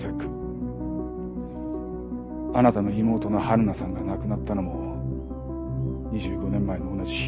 あなたの妹の春菜さんが亡くなったのも２５年前の同じ日。